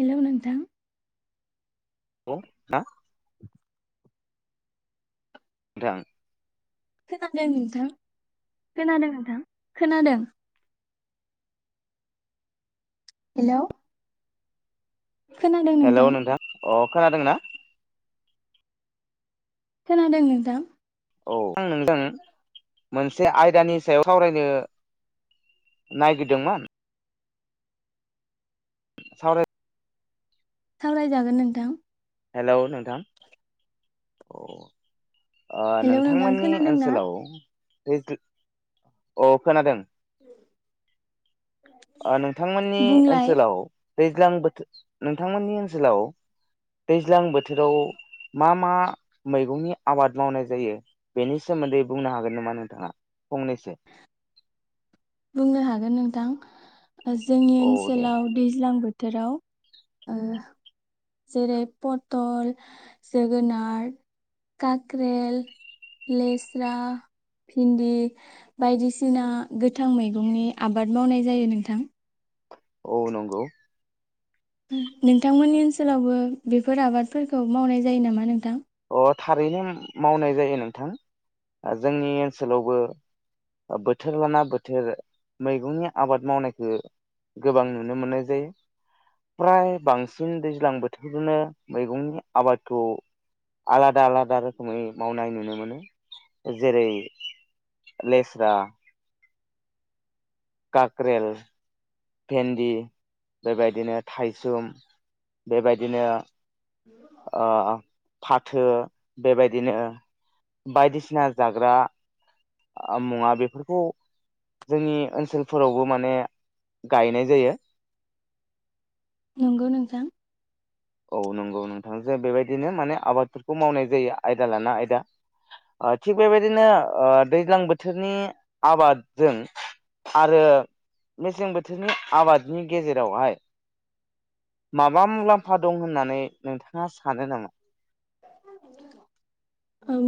हेल' नोंथां। औ हा नोंथां खोनादों नोंथां खोनादों नोंथां खोनादों हेल' खोनादों नोंथां अ खोनादोंना खोनादों नोंथां औ आं नोंजों मोनसे आयदानि सायाव सावरायनो नागिरदोंमोन सावराय सावरायजागोन नोंथां हेल' नोंथां औ हेलौ नोंथां नोंथांमोननि खोनादोंना ओनसोलाव अ खोनादों नोंथांमोननि बुंलाय ओनसोलाव दैज्लां बोथोर नोंथांमोननि ओनसोलाव दैज्लां बोथोराव मा मा मैगंनि आबाद मावनाय जायो बेनि सोमोन्दै बुंनो हागोन नामा नोंथाङा फंनैसो बुंनो हागोन नोंथां जोंनि औ दे ओनसोलाव दैज्लां बो थोराव ओ जेरै पथल जोगोनार काक्रेल लेस्रा भिन्दि बायदिसिना गोथां मैगंनि आबाद मावनाय जायो नोंथां औ नंगौ नोंथांमोननि ओनसोलावबो बेफोर आबादफोरखौ मावनाय जायो नामा नोंथां अ थारैनो मावनाय जायो नोंथां जोंनि ओनसोलावबो बोथोर लाना बोथोर मैगंनि आबाद मावनायखौ गोबां नुनो मोननाय जायो फ्राय बांसिन दैज्लां बोथोरजोंनो मैगंनि आबादखौ आलादा आलादा रोखोमै मावनाय नुनो मोनो जेरै लेस्रा काक्रेल भेन्दि बेबायदिनो थाइसुम बेबायदिनो अ फा थो बेबायदिनो बायदिसिना जाग्रा मुवा बेफोरखौ जोंनि ओनसोलफोरावबो माने गायनाय जायो नंगौ नोंथां औ नंगौ नोंथांजों बेबायदिनो माने आबादफोरखौ मावनाय जायो आयदा लाना आयदा थिग बेबायदिनो दैज्लां बोथोरनि आबादजों आरो मेसें बोथोरनि आबादनि गेजेरावहाय माबा मुलाम्फा फा दं होननानै नोंथाङा सानो नामा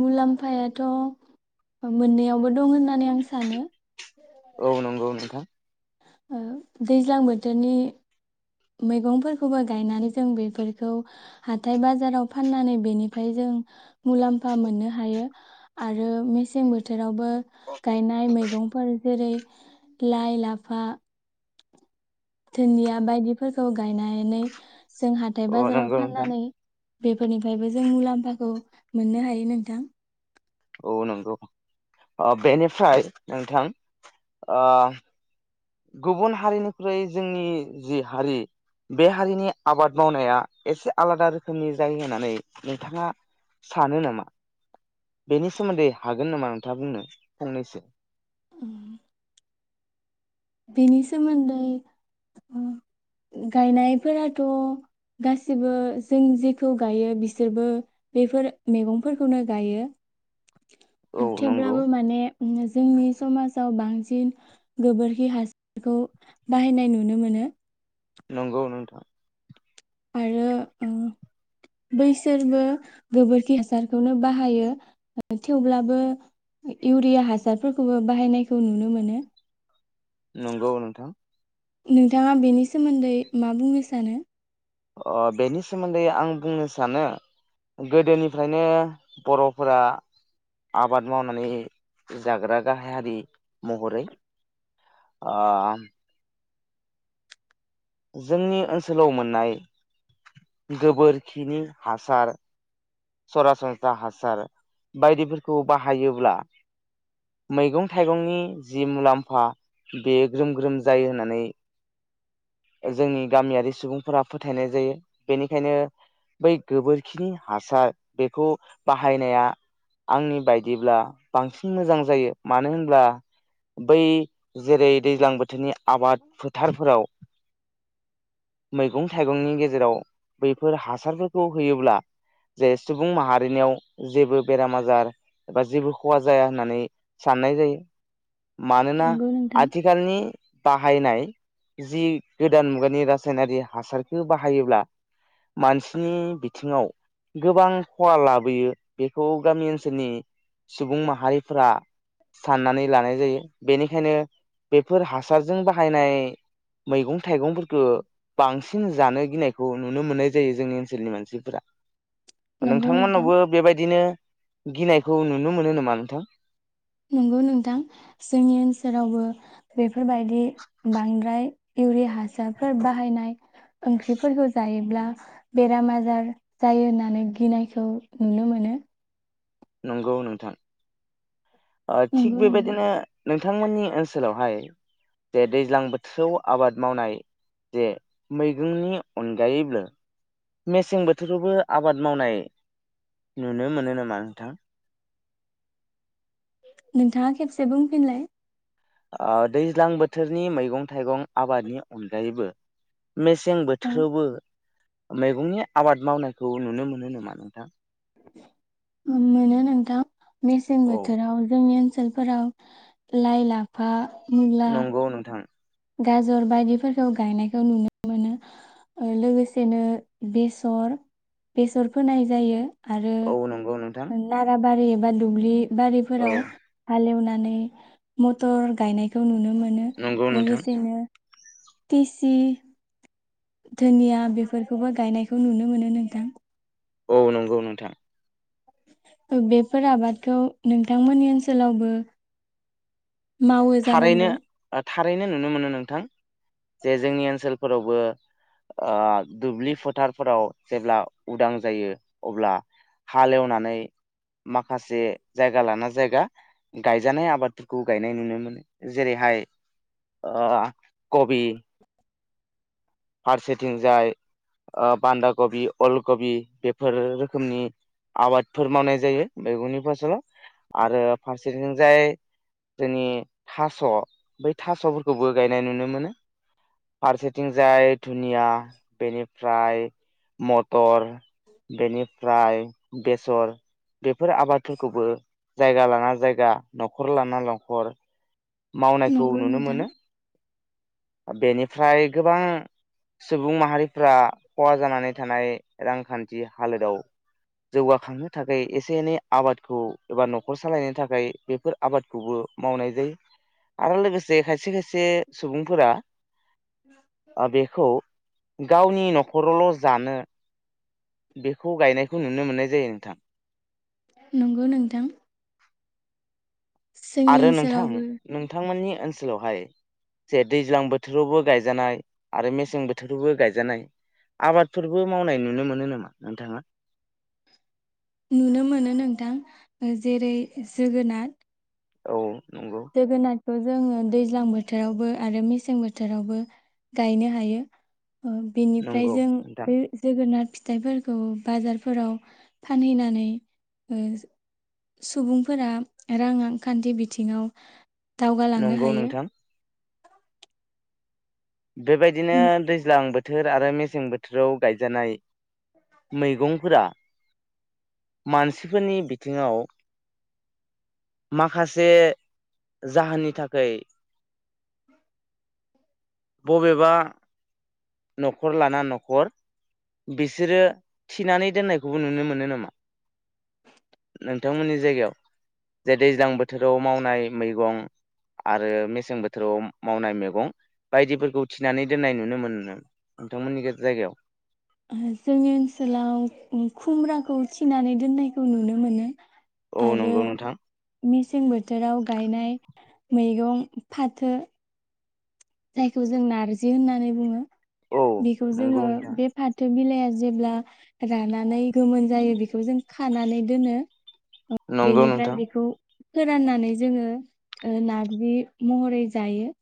मुलामफायाथ' मोननैयावबो दं होन औ नंगौ नोंथां दैज्लां बोथोरनि मैगंफोरखौबो गायनानै जों बेफोरखौ हाथाय बाजाराव फाननानै बेनिफ्राय जों मुलाम्फा मोननो हायो आरो मेसें बोथोर थोरावबो गायनाय मैगंफोर जेरै लाइ लाफा दुदिया बायदिफोरखौ गायनानै जों हाथाय औ बाजाराव नंगौ नोंथां फाननानै बेफोरनिफ्रायबो जों मुलाम्फाखौ मोननो हायो नोंथां। औ नंगौ। बेनिफ्राय नोंथां गुबुन हारिनिख्रुइ जोंनि जि हारि बे हारिनि आबाद मावनाया एसे आलादा रोखोमनि जायो होननानै नोंथाङा सानो नामा? बेनि सोमोन्दै हागोन नामा नोंथाङा बुंनो फंनैसो। बिनि सोमोन्दै गायनायफोराथ' गासिबो जों जेखौ गायो बिसोरबो बेफोर मैगंफोरखौनो गायो औ नंगौ थेवब्लाबो माने जोंनि समाजाव बां सिन गोबोर खि हासारखौ बाहायनाय नुनो मोनो। नंगौ नोंथां। आरो बैसोरबो गोबोरखि हासारखौनो बाहायो थेवब्लाबो इउरिया हासारफोरखौबो बाहायनायखौ नुनो मोनो। नंगौ नोंथां नोंथाङा बेनि सोमोन्दै मा बुंनो सानो? ओ बेनि सोमोन्दै आं बुंनो सानो गोदोनिफ्रायनो बर'फोरा आबाद मावनानै जाग्रा गाहाय हारि महरै ओ जोंनि ओनसोलाव मोननाय गोबोरखिनि हासार सरासनस्रा हासार बायदिफोरखौ बाहायोब्ला मैगं थाइगंनि जि मुलाम्फा बेयो ग्रोम ग्रोम जायो होननानै जोंनि गामियारि सुबुंफोरा फोथायनाय जायो। बेनिखायनो बै गोबोरखिनि हासार बेखौ बाहायनाया आंनि बायदिब्ला बांसिन मोजां जायो मानो होनब्ला बै जेरै दैज्लां बोथोरनि आबाद फोथारफोराव मैगं थाइगंनि गेजेराव बैफोर हासारफोरखौ होयोब्ला जे सुबुं माहारिनियाव जेबो बेराम आजार एबा जेबो खहा जाया होननानै साननाय जायो। मानोना नंगौ नोंथां आथिखालनि बा हायनाय जि गोदान मुगानि राज सायनारि हासारखो बाहायोब्ला मानसिनि बिथिङाव गोबां खहा लाबोयो बेखौ गामि ओनसोलनि सुबुं माहारिफोरा साननानै लानाय जायो। बेनिखायनो बेफोर हासारजों बाहायनाय मैगं थाइगंफोरखौ बांसिन जानो गिनायखौ नुनो मोननाय जायो जोंनि ओनसोलनि मानसिफोरा नंगौ नोंथां नोंथांमोननावबो बेबायदिनो गिनायखौ नुनो मोनो नामा नोंथां? नंगौ नोंथां जोंनि ओनसोलावबो बे फोरबायदि बांद्राय इउरिया हासारफोर बाहायनाय ओंख्रिफोरखौ जायोब्ला बेराम आजार जायो होननानै गिनायखौ नुनो मोनो। नंगौ नोंथां ओ थिक नंगौ नोंथां बेबायदिनो नोंथांमोननि ओनसोलावहाय जे दैज्लां बोथोराव आबाद मावनाय जे मैगंनि अनगायैबो मेसें बोथोरखौबो आबाद मावनाय नुनो मोनो नामा नोंथां? नोंथाङा खेबसे बुंफिनलाय ओ दैज्लां बोथोरनि मैगं थाइगं आबादनि अनगायैबो मेसें औ बोथोरावबो मैगंनि आबाद मावनायखौ नुनो मोनो नामा नोंथां? उम, मोनो नोंथां मेसें औ बोथोराव जोंनि ओनसोल फोराव लाइ लाफा मुला नंगौ नोंथां गाजर बायदिफोरखौ गायनायखौ नुनो मोनो लोगोसेनो बेसर बेसर फोनाय जायो। आरो औ नंगौ नोंथां नारा बारि एबा दुब्लि औ बारिफोराव हालेवना नै मथर गायनायखौ नुनो मोन मोनो नंगौ नोंथां लोगोसेनो तसि धुनिया बेफोरखौबो गायनायखौ नुनो मोनो नोंथां। औ नंगौ नोंथां बेफोर आबादखौ नोंथांमोननि ओनसोलावबो मावो थारैनो जानांगौ ओ थारैनो नुनो मोनो नोंथां जे जोंनि ओनसोलफोरावबो आ दुब्लि फोथारफोराव जेब्ला उदां जायो अब्ला हालेवनानै माखासे जायगा लाना जायगा गायजानाय आबादफोरखौ गायनाय नुनो मोनो जेरैहाय ओ कबि फारसेथिंजाय ओ बान्दा कबि अलकबि बेफोर रोखोमनि आबादफोर मावनाय जायो मैगंनि फसलाव आरो फारसेथिंजाय जोंनि थास' बै थास'फोरखौबो गायनाय नुनो मोनो फारसेथिं- जाय धुनिया बेनि- फ्राय मटर बेनिफ्राय बेसर बेफोर आबादफोरखौबो जायगा लाना जायगा न'खर लाना न'खर मावनायखौ नंगौ नुनो नोंथां मोनो बेनिफ्राय गोबां सुबुं माहारिफ्रा खहा जानानै थानाय रांखान्थि हालोदाव जौगाखांनो थाखाय एसे एनै आबादखौ एबा न'खर सालायनो थाखाय बेफोर आबादखौबो मावनाय जायो आरो लोगोसे खायसे खायसे सुबुंफोरा आ बेखौ गावनि न'खर'ल' जानो बेखौ गायनायखौ नुनो मोननाय जायो नोंथां नंगौ नोंथां जोंनि आरो नोंथां ओनसोलावबो नोंथांमोननि ओनसोलावहाय जे दैज्लां बोथोरावबो गायजानाय आरो मेसें बोथोरावबो गायजानाय आबादफोरबो मावनाय नुनो मोनो नामा नोंथाङा? नुनो मोनो नोंथां जेरै जोगोनार औ नंगौ जोगोनाट- खौ जोङो दैज्लां बोथोरावबो आरो मेसें बोथोरावबो गायनो हायो ओ बेनिफ्राय नंगौ जों नोंथां बे जोगोनार फि- थाइफोरखौ बाजारफोराव फानहैनानै ओ सुबुंफोरा रां आंखान्थि बिथिङाव दावगालांनो नंगौ हायो नोंथां बेबायदिनो दैज्लां बो- थोर आरो मेसें बोथोराव गायजानाय मैगंफोरा मानसिफोरनि बिथिङाव माखासे जाहोननि थाखै बबेबा न'खर लाना न'खर बिसोरो थिनानै दोननायखौबो नुनो मोनो नामा नोंथांमोननि जायगायाव जे दैज्लां बोथोराव मावनाय मैगं आरो मेसें बोथोराव मावनाय मैगं बायदिफोरखौ थिनानै दोननाय नुनो मोनो ना नोंथांमोननि गे जायगायाव ओ जोंनि ओनसोलाव उम खुमब्राखौ थिनानै दोननायखौ नुनो मोनो औ आरो नंगौ नोंथां मे- सें बोथोराव गायनाय मैगं फाथो जायखौ जों नारजि होननानै बुङो। औ बेखौ जोङो नंगौ नोंथां बे फाथो बिलाइआ जेब्ला रानानै गोमोन जायो बेखौ जों खानानै दोनो। नंगौ बेनिफ्राय नोंथां बेखौ फोराननानै जोङो ओ नार्जि महरै जायो।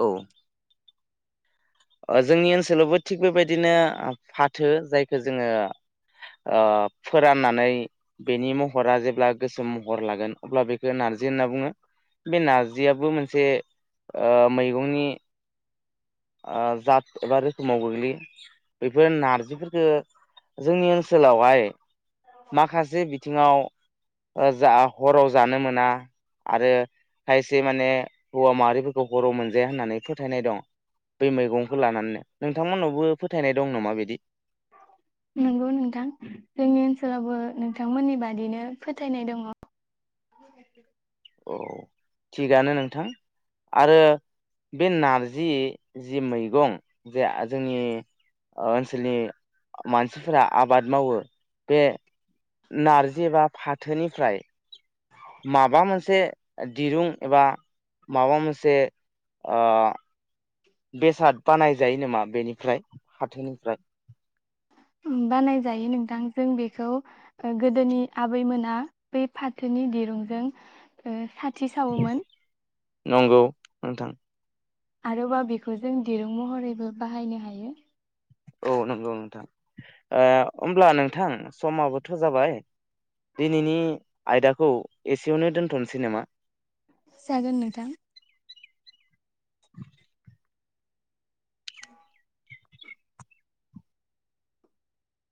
औ ओ जोंनि ओनसोलावबो थिग बेबायदिनो आ फाथो जायखो जोङो ओ फोराननानै बेनि महरा जेब्ला गोसोम महर लागोन अब्ला बेखो नारजि होनना बुङो बे नारजियाबो मोनसे ओ मैगंनि जात एबा रोखोमाव गोग्लैयो बेफोर नारजिफोरखौ जोंनि ओनसोलावहाय माखासे बिथिङाव जा हराव जानो मोना आरो खायसे माने हौवा माहारिफोरखौ हराव मोनजाया होननानै फोथायनाय दं बे मैगंखौ लानानैनो नोंथांमोननावबो फोथायनाय दं नामा बिदि नंगौ नोंथां जोंनि ओनसोलावबो नोंथांमोननि बादिनो फोथायनाय दङ। औ थिगानो नोंथां आरो बे नारजि जि मैगं जे जोंनि ओनसोलनि मानसिफोरा आबाद मावो बे नारजि एबा फाथोनिफ्राय माबा मोनसे दिरुं एबा माबा मोनसे बेसाद बानायजायो नामा बेनिफ्राय फाथोनिफ्राय बानायजायो नोंथां जों बेखौ गोदोनि आबैमोना बै फाथोनि दिरुंजों साथि सावोमोन नंगौ नोंथां आरोबाव बेखौ जों दिरुं महरैबो बाहायनो हायो औ नंगौ नोंथां होमब्ला नोंथां समाबोथ' जाबाय दिनैनि आयदाखौ औ एसेयावनो दोन्थ'नोसै नामा? जागोन नोंथां।